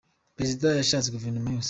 Perezida yasheshe Guverinoma yose